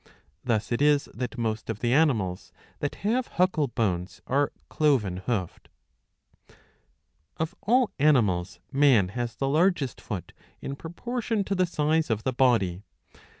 *^ Thus it is that most of the animals that have huckle bones are cloven hoofed. Of all animals man has the largest foot in proportion to the size of the body.